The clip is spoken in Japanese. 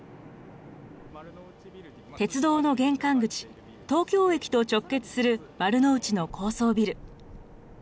鉄道の玄関口、東京駅と直結する丸の内の高層ビル。